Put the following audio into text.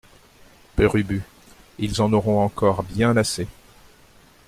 Père Ubu Ils en auront encore bien assez.